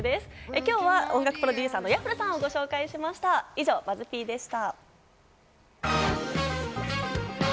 今日は音楽プロデューサーのＹａｆｆｌｅさんをご紹介しました。